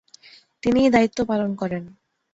তিনি এই দায়িত্ব পালন করেন।